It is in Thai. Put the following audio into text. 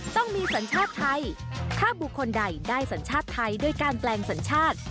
ต้องมีสัญชาติไทยถ้าบุคคลใดได้สัญชาติไทยโดยการแปลงสัญชาติ